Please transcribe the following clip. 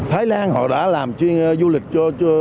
thái lan họ đã làm du lịch